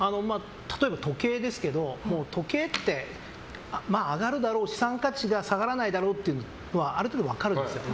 例えば時計ですけど時計って上がるだろう、資産価値が下がらないだろうというのはある程度、分かるんですよ。